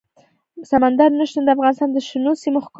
سمندر نه شتون د افغانستان د شنو سیمو ښکلا ده.